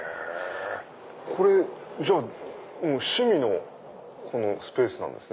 これじゃあ趣味のスペースなんですね。